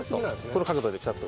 この角度でピタッと。